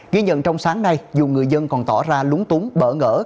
ghi nhận trong sáng nay dù người dân còn tỏ ra lúng túng bỡ ngỡ